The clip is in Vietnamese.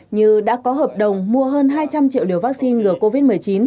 như đã có hợp đồng mua hơn hai trăm linh triệu liều vaccine ngừa covid một mươi chín